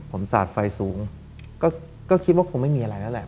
ผมสาดไฟสูงก็คิดว่าคงไม่มีอะไรแล้วแหละ